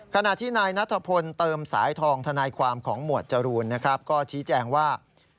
ขณะที่นายนัทพลเติมสายทองทนายความของหมวดจรูนนะครับก็ชี้แจงว่า